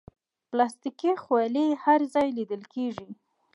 پلاستيکي خولۍ هر ځای لیدل کېږي.